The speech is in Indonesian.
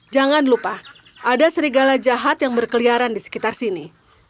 jangan lupa ada serigala jahat yang berkeliaran di sekitar sini